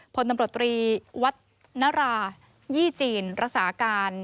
พลตำรวจตรีวัฒนรายี่จีนรักษาการ